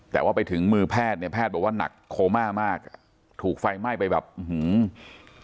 แต่ว่าไปถึงมือแพทย์เนี่ยแพทย์บอกว่าหนักโคม่ามากอ่ะถูกไฟไหม้ไปแบบอื้อหือ